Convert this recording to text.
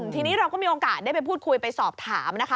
ทีนี้เราก็มีโอกาสได้ไปพูดคุยไปสอบถามนะคะ